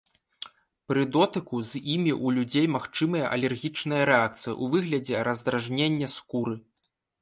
Пры дотыку з імі ў людзей магчымая алергічная рэакцыя ў выглядзе раздражнення скуры.